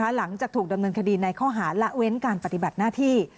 หลังจากถูกดำเนินคดีในข้อหาละเว้นการปฏิบัติหน้าที่